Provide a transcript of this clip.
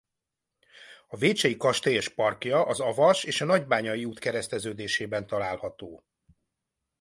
A Vécsey kastély és parkja az Avas és a Nagybányai út kereszteződésében található.